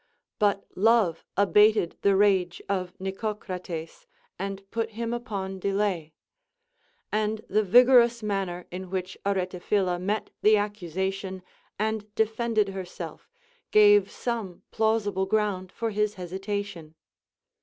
But love abated the rage of Nicocrates, and put him upon delay ; and the vigorous manner in which Are taphila met the accusation and defended herself gave some plausible ground for his hesitation.